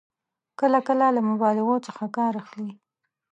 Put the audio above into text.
کله کله له مبالغو څخه کار اخلي.